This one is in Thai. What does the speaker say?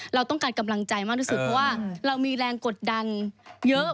เราต้องการกำลังใจมากที่สุดเพราะว่าเรามีแรงกดดันเยอะ